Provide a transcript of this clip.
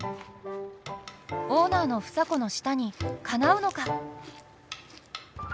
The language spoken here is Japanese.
オーナーの房子の舌にかなうのか！